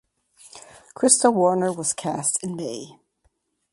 Krista Warner was cast in May.